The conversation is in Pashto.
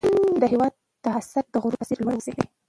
د هېواد د هسک غرونو په څېر لوړ اوسئ.